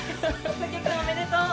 ・小池君おめでとう。